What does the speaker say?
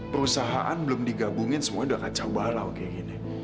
perusahaan belum digabungin semuanya udah kacau barau kayak gini